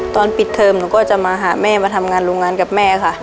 ตอนปิดเทอมหนูก็จะมาหาแม่มาทำงานโรงงานกับแม่ค่ะ